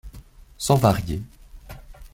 Sans varier